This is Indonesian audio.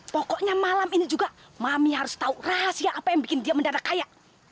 pokoknya malam ini juga mami harus tahu rahasia apa yang bikin dia mendadak kaya